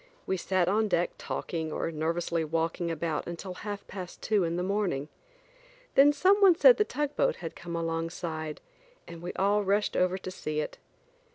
We sat on deck talking or nervously walking about until half past two in the morning. Then some one said the tugboat had come alongside, and we all rushed over to see it.